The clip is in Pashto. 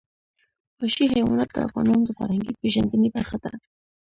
وحشي حیوانات د افغانانو د فرهنګي پیژندنې برخه ده.